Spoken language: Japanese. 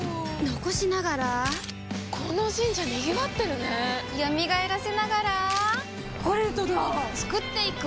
残しながらこの神社賑わってるね蘇らせながらコレドだ創っていく！